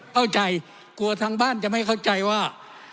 เข้าใจกลัวทางบ้านจะไม่เข้าใจว่า